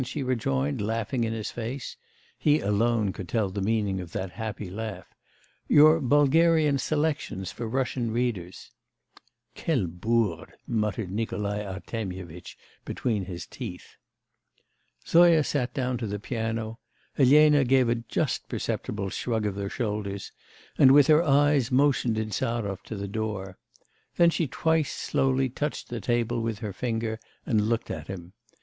she rejoined, laughing in his face; he alone could tell the meaning of that happy laugh: 'Your Bulgarian selections for Russian readers?' 'Quelle bourde!' muttered Nikolai Artemyevitch between his teeth. Zoya sat down to the piano. Elena gave a just perceptible shrug of the shoulders, and with her eyes motioned Insarov to the door. Then she twice slowly touched the table with her finger, and looked at him.